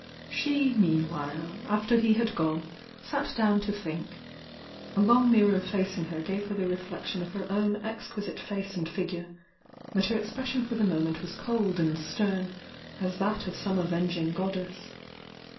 She, meanwhile, after he had gone, sat down to think. A long mirror facing her gave her the reflec t m of her own exquisite face and figure — but her expression for the moment was cold and stem as that of some avenging goddess.